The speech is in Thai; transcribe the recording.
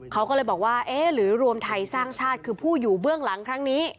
เขาก็เลยบอกว่าเอ๊ะหรือรวมไทยสร้างชาติคือผู้อยู่เบื้องหลังครั้งนี้